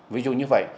ví dụ như vậy